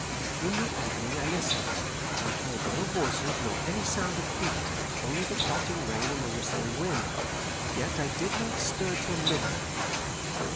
In the evening I listened, and heard no voices nor any sound of feet, only the pelting rain and the whistling wind. Yet I did not stir till midnight.